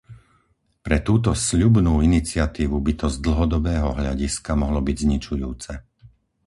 Pre túto sľubnú iniciatívu by to z dlhodobého hľadiska mohlo byť zničujúce.